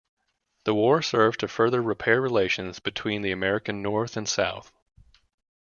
The war served to further repair relations between the American North and South.